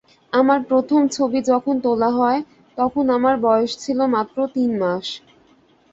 আমার প্রথম ছবি যখন তোলা হয়, তখন আমার বয়স মাত্র তিন মাস।